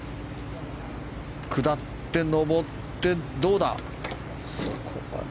下って上ってどうだ。